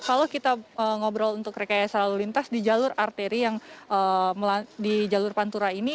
kalau kita ngobrol untuk rekayasa lalu lintas di jalur arteri yang di jalur pantura ini